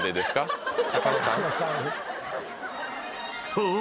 ［そう！